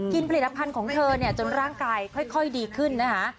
ผลิตภัณฑ์ของเธอเนี่ยจนร่างกายค่อยดีขึ้นนะคะ